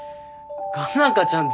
佳奈花ちゃん